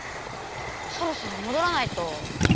そろそろもどらないと。